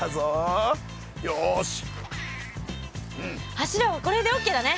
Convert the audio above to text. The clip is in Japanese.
柱はこれでオッケーだね。